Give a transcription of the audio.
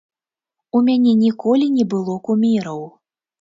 У мяне ніколі не было куміраў.